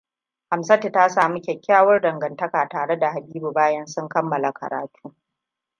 Hamsatu ta sami kyakkyawar dangantaka tare da Habibu bayan sun kammala karatu.